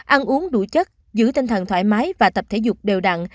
ăn uống đủ chất giữ tinh thần thoải mái và tập thể dục đều đặn